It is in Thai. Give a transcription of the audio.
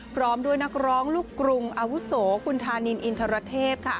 พร้อมด้วยนักร้องลูกกรุงอาวุโสคุณธานินอินทรเทพ